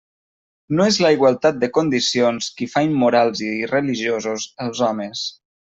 No és la igualtat de condicions qui fa immorals i irreligiosos els homes.